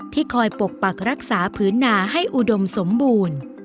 คอยปกปักรักษาพื้นนาให้อุดมสมบูรณ์